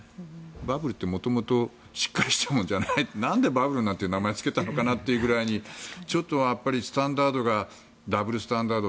バブルって元々しっかりしたものじゃないなんでバブルなんて名前をつけたのかなっていうちょっとスタンダードがダブルスタンダード